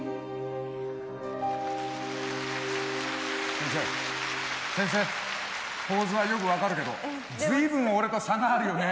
先生先生ポーズはよく分かるけど随分俺と差があるよね。